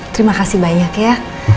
terima kasih banyak ya